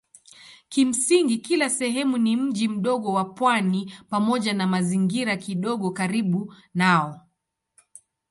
Kimsingi kila sehemu ni mji mdogo wa pwani pamoja na mazingira kidogo karibu nao.